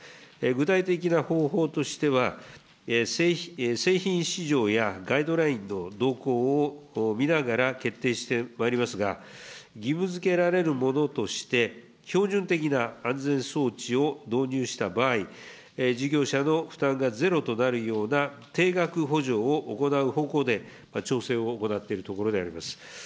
具体的な方法としては、製品市場やガイドラインの動向を見ながら決定してまいりますが、義務づけられるものとして、標準的な安全装置を導入した場合、事業者の負担がゼロとなるような、定額補助を行う方向で、調整を行っているところであります。